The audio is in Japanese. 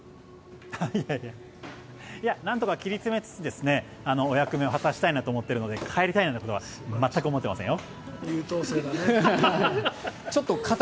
いやなんとか切り詰めつつお役目を果たしたいなと思っているので帰りたいなんてことは全く思っていませんよ。